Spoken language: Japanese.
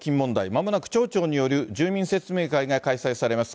まもなく、町長による住民説明会が開催されます。